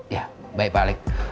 ya baik pak alec